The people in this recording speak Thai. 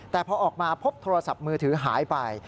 แต่พอออกมาพบโทรศัพท์มือถือหายไป